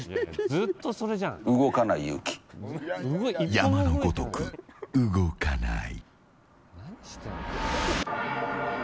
山のごとく動かない。